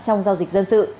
trong giao dịch dân sự